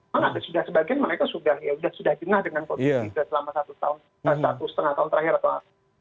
mereka sudah sebagian mereka sudah ya sudah jenah dengan covid sembilan belas selama satu setengah tahun terakhir atau